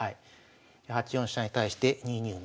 ８四飛車に対して２二馬。